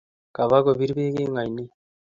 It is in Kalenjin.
Kap kopir peek eng' ainet